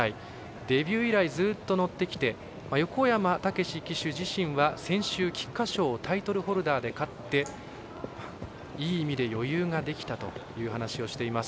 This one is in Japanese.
デビュー以来、ずっと乗ってきて横山武史騎手自身は先週、菊花賞をタイトルホルダーで勝っていい意味で余裕ができたという話をしています。